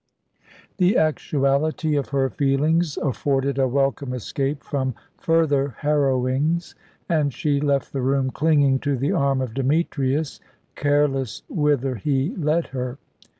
The actuality of her feelings afforded a welcome escape from further harrowings; and she left the room, clinging to the arm of Demetrius, careless whither he led her.